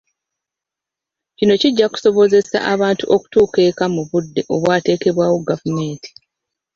Kino kijja kusobozese abantu okutuuka eka mu budde obwateekebwawo gavumenti.